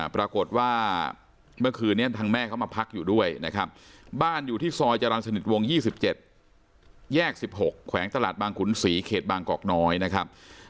ปรากฏว่าเมื่อคืนนี้ทางแม่เขามาพักอยู่ด้วยนะครับบ้านอยู่ที่ซอยจรรย์สนิทวง๒๗แยก๑๖แขวงตลาดบางขุนศรีเขตบางกอกน้อยนะครับ